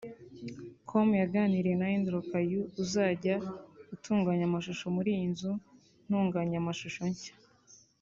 com yaganiriye na Andrew Kay uzajya utunganya amashusho muri iyi nzu ntunganyamashusho nshya